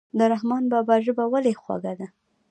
د رحمان بابا ژبه ولې خوږه ده.